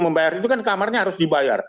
membayar itu kan kamarnya harus dibayar